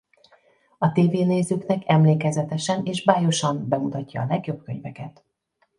A tévénézőknek emlékezetesen és bájosan bemutatja a legjobb könyveket.